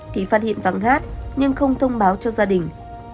thì phát hiện vắng gát nhưng không thông báo cho gia đình